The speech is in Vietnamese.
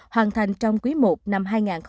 hoàn thành trong quý i năm hai nghìn hai mươi bốn